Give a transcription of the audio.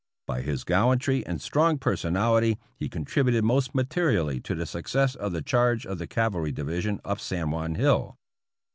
By his gallantry and strong personality he con tributed most materially to the success of the charge of the Cavalry Division up San Juan Hill.